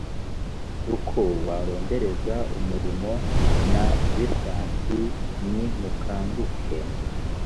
uko warondereza umuriro na lisansi nimukanguke